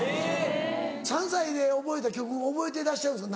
３歳で覚えた曲覚えてらっしゃるんですか？